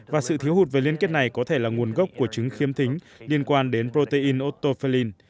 và sự thiếu hụt về liên kết này có thể là nguồn gốc của trứng khiếm thính liên quan đến protein otofelin